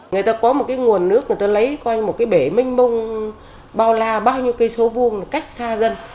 người ta có một cái nguồn nước người ta lấy coi như một cái bể minh bông bao la bao nhiêu cây số vuông cách xa dân